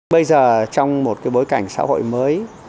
bây giờ trong một cái bối cảnh xã hội mới